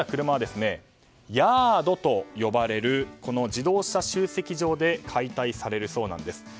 車はヤードと呼ばれる自動車集積場で解体されるそうです。